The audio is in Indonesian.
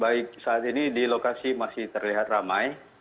baik saat ini di lokasi masih terlihat ramai